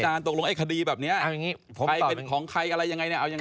ตกลงไอ้คดีแบบนี้ใครเป็นของใครอะไรยังไงเนี่ยเอายังไง